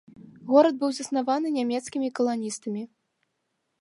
Горад быў заснаваны нямецкімі каланістамі.